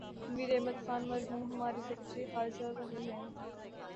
تنویر احمد خان مرحوم ہمارے سیکرٹری خارجہ رہے ہیں۔